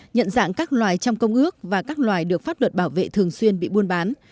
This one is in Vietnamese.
nhận dạng các loài trong công ước và các loài được pháp luật bảo vệ thường xuyên bị buôn bán